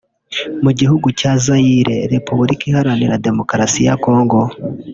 Mu gihugu cya Zaire (Repubulika iharanira demokarasi ya Kongo)